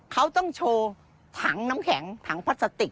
เขาต้องโชว์ถังน้ำแข็งถังพลาสติก